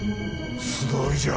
素通りじゃ。